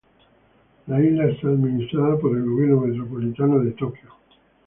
La isla está administrada por el Gobierno Metropolitano de Tokio.